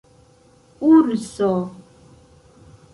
urso